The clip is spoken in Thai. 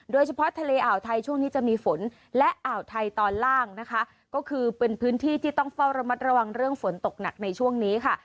โดยเฉพาะทะเลอ่าวไทยช่วงนี้จะมีฝนและอ่าวไทยตอนล่างนะคะก็คือเป็นพื้นที่ที่ต้องเฝ้าระมัดระวังเรื่องฝนตกหนักในช่วงนี้ค่ะ